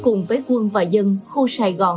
cùng với quân và dân khu sài gòn